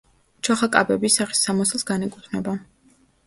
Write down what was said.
ჩოხა კაბების სახის სამოსელს განეკუთვნება.